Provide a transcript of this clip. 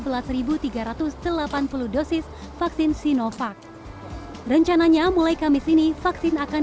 jumlah sepuluh dari total dua belas tiga ratus delapan puluh dosis vaksin sinovac rencananya mulai kamis ini vaksin akan